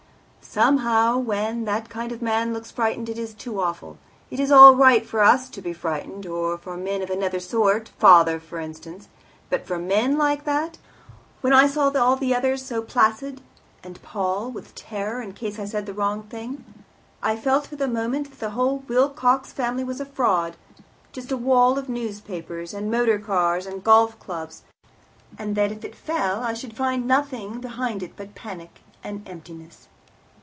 "Somehow, when that kind of man looks frightened it is too awful. It is all right for us to be frightened, or for men of another sort father, for instance; but for men like that! When I saw all the others so placid, and Paul mad with terror in case I said the wrong thing, I felt for a moment that the whole Wilcox family was a fraud, just a wall of newspapers and motor cars and golf clubs, and that if it fell I should find nothing behind it but panic and emptiness.